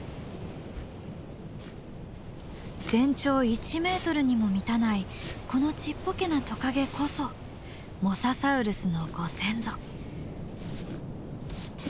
全長１ｍにも満たないこのちっぽけなトカゲこそモササウルスのご先祖。